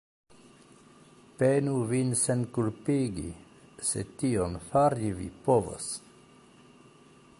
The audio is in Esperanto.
Penu vin senkulpigi, se tion fari vi povos.